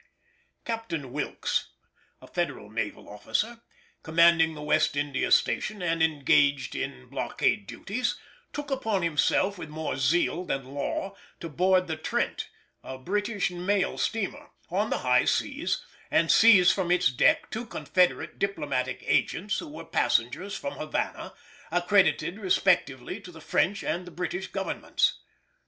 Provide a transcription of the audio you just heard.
Captain Wilkes, a Federal naval officer commanding the West India station and engaged in blockade duties, took upon himself, with more zeal than law, to board the Trent, a British mail steamer, on the high seas, and seize from its deck two Confederate diplomatic agents who were passengers from Havana, accredited respectively to the French and the British Governments.